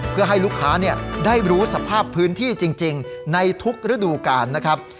เพื่อให้ลูกค้าได้รู้สภาพพื้นที่จริงในทุกฤดูกาลนะครับ